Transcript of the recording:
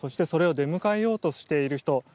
それを出迎えようとしている人